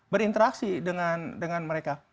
berinteraksi dengan mereka